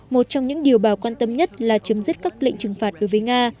một trong những điều bà quan tâm nhất là chấm dứt các lệnh trừng phạt đối với nga